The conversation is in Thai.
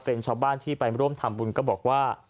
เป็นชาวบ้านที่ไปร่วมทำบุญก็บอกว่า